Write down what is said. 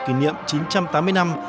kỷ niệm chín trăm tám mươi năm